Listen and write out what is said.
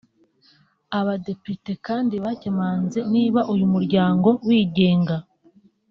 Abadepite kandi bakemanze niba uyu muryango wigenga